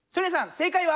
正解は？